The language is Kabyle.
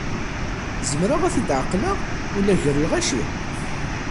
Zemreɣ ad t-ɛeqleɣ ula gar lɣaci.